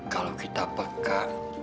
kalau kita peka